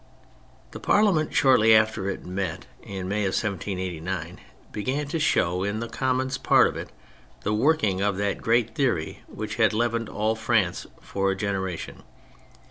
The Parliament, shortly after it had met in May 1789, began to show, in the Commons part of it, the working of that great theory which had leavened all France for a genera tion.